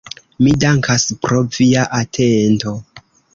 Mi dankas pro via atento.